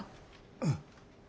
うん。